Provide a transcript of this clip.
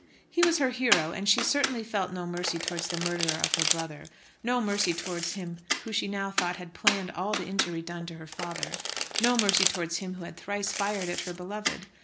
He was her hero, and she certainly felt no mercy towards the murderer of her brother; no mercy towards him who she now thought had planned all the injury done to her father; no mercy towards him who had thrice fired at her beloved.